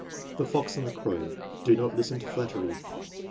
The Fox and the Crow: "Do not listen to flattery."